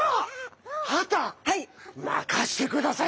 任してください